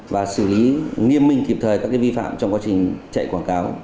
và xử lý nghiêm minh kịp thời các vi phạm trong quá trình chạy quảng cáo